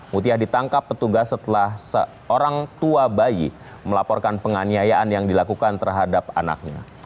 mutia ditangkap petugas setelah seorang tua bayi melaporkan penganiayaan yang dilakukan terhadap anaknya